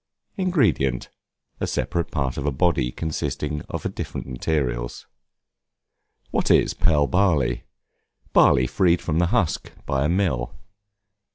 Ingredient, a separate part of a body consisting of different materials. What is Pearl Barley? Barley freed from the husk by a mill.